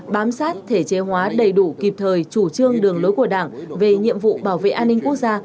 bám sát thể chế hóa đầy đủ kịp thời chủ trương đường lối của đảng về nhiệm vụ bảo vệ an ninh quốc gia